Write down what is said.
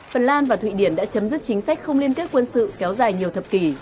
phần lan và thụy điển đã chấm dứt chính sách không liên kết quân sự kéo dài nhiều thập kỷ